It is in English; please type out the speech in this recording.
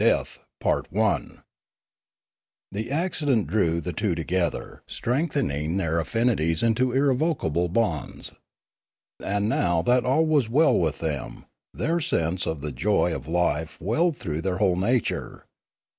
CHAPTER III DEATH THE accident drew the two together, strengthening their affinities into irrevocable bonds. And now that all was well with them, their sense of the joy. of life welled through their whole nature.